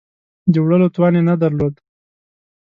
د وړلو توان یې نه درلود.